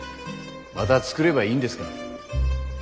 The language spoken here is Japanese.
また作ればいいんですから。